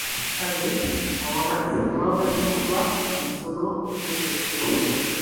Olwo lwe luti olusimbwa ku ttale awazigiddwa ensolo okuteekako ekitimba